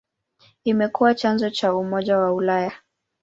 Imekuwa chanzo cha Umoja wa Ulaya.